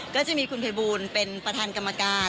ก็จะมีคุณภัยบูลเป็นประธานกรรมการ